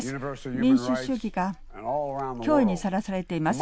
民主主義が脅威にさらされています。